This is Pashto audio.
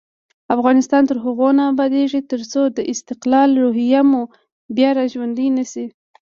افغانستان تر هغو نه ابادیږي، ترڅو د استقلال روحیه مو بیا راژوندۍ نشي.